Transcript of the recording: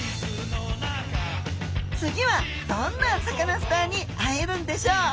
次はどんなサカナスターに会えるんでしょう？